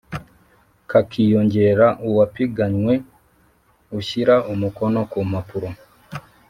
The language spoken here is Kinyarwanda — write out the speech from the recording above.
Kakiyongera uwapiganwe ushyira umukono ku mpapuro